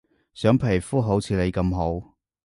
想皮膚好似你咁好